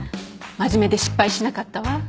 真面目で失敗しなかったわ。